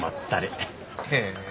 へえ。